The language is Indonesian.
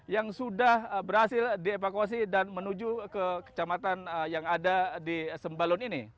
yang sudah berhasil dievakuasi dan menuju ke kecamatan yang ada di sembalun ini